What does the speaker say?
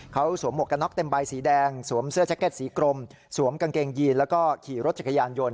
เขาสวมหมวกกันน็อกเต็มใบสีแดงสวมเสื้อแจ็คเก็ตสีกรมสวมกางเกงยีนแล้วก็ขี่รถจักรยานยนต